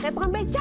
kayak tukang beca